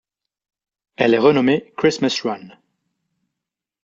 Elle est renommée Christmas Run.